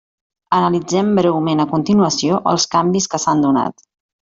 Analitzem breument a continuació els canvis que s'han donat.